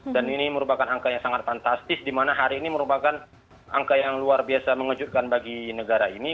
dan ini merupakan angka yang sangat fantastis di mana hari ini merupakan angka yang luar biasa mengejutkan bagi negara ini